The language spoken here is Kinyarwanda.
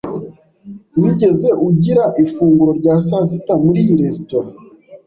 Wigeze ugira ifunguro rya saa sita muri iyi resitora?